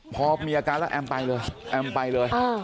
พอมีอาการแอมก็จะไปเลย